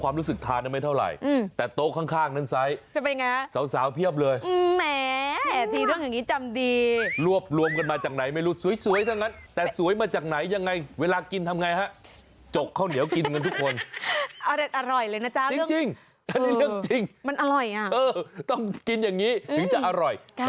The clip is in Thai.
มันเป็นยังไงครับจำความรู้สึกทานไม่เท่าไหร่